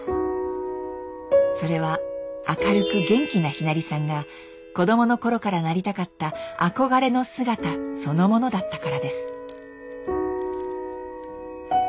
それは明るく元気なひなりさんが子供の頃からなりたかった「憧れの姿」そのものだったからです。